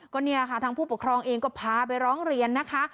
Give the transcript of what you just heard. ก็เนี่ยค่ะทางผู้ปกครองเองก็พาไปร้องเรียนนะคะ